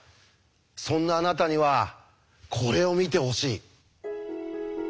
そんなあなたにはこれを見てほしい。